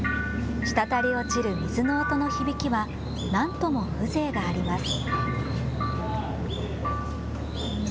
滴り落ちる水の音の響きは何とも風情があります。